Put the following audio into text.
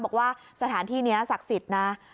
บอกว่าสถานที่นี้ศักดิ์สิทธิ์นะ